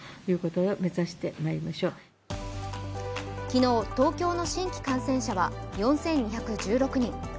昨日、東京の新規感染者は４２１６人。